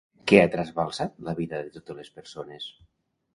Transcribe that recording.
Què ha trasbalsat la vida de totes les persones?